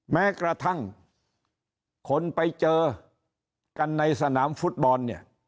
แม้กระทั่งคนไปเจอกันในสนามฟุตบอลเนี่ย